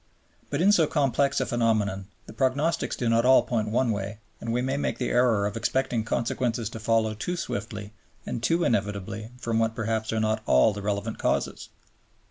But in so complex a phenomenon the prognostics do not all point one way; and we may make the error of expecting consequences to follow too swiftly and too inevitably from what perhaps are not all the relevant causes.